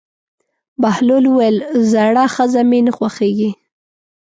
بهلول وویل: زړه ښځه مې نه خوښېږي.